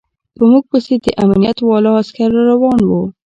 په موږ پسې د امنيت والاو عسکر روان و.